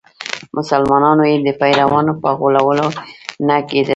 مسلمانانو یې د پیرانو په غولولو نه کېدل.